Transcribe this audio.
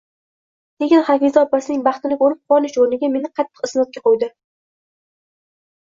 Lekin Hafiza opasining baxtini ko`rib quvonish o`rniga, meni qattiq isnodga qo`ydi